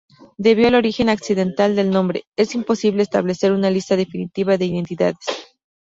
Debido al origen accidental del nombre, es imposible establecer una lista definitiva de identidades.